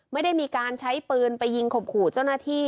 ไม่ได้มีการใช้ปืนไปยิงข่มขู่เจ้าหน้าที่